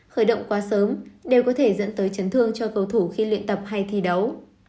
khởi động quá sớm đều có thể dẫn tới chấn thương cho cầu thủ khi luyện tập hay thi đấu